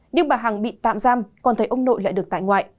nhưng bà hằng bị tạm giam còn thấy ông nội lại được tại ngoại